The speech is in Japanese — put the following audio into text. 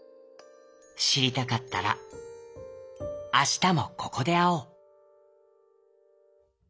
「しりたかったらあしたもここであおう」。